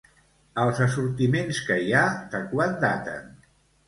Els assortiments que hi ha, de quan daten?